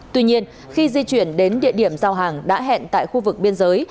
tuy nhiên khi di chuyển đến địa điểm giao hàng đã hẹn tại khu vực biên giới